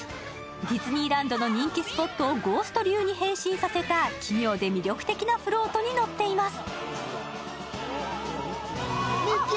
ディズニーランドの人気スポットをゴースト流に変身させた奇妙で魅力的なフロートに乗っています。